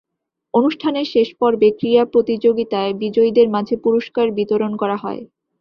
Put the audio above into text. অনুষ্ঠানের শেষ পর্বে ক্রীড়া প্রতিযোগিতায় বিজয়ীদের মাঝে পুরস্কার বিতরণ করা হয়।